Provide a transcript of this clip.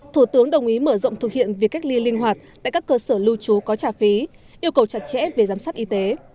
thủ tướng đồng ý mở rộng thực hiện việc cách ly linh hoạt tại các cơ sở lưu trú có trả phí yêu cầu chặt chẽ về giám sát y tế